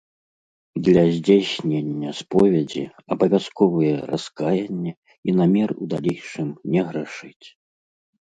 Для здзяйснення споведзі абавязковыя раскаянне і намер у далейшым не грашыць.